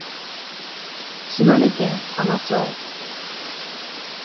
島根県海士町